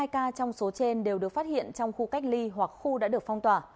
hai ca trong số trên đều được phát hiện trong khu cách ly hoặc khu đã được phong tỏa